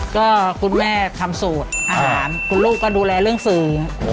ก็คุณแม่ทำสูตรอาหารคุณลูกก็ดูแลเรื่องสื่อ